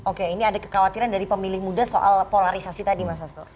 oke ini ada kekhawatiran dari pemilih muda soal polarisasi tadi mas asto